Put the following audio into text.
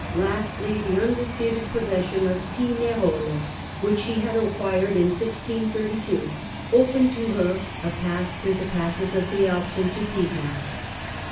Lastly, the undisputed possession of Pinerolo, which she had acquired in 1632, opened to her a path through the passes of the Alps into Piedmont.